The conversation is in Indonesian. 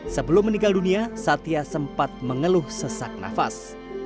sebelum meninggal dunia satya sempat mengeluh sesak nafas